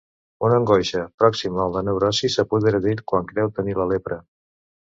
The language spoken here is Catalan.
Una angoixa pròxima a la neurosi s'apodera d'ell quan creu tenir la lepra.